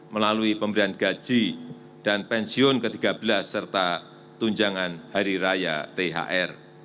melalui pemberian gaji dan pensiun ke tiga belas serta tunjangan hari raya thr